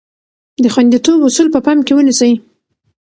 د خوندیتوب اصول په پام کې ونیسئ.